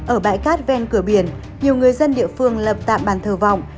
ở bãi cát ven cửa biển nhiều người dân địa phương lập tạm bàn thờ vọng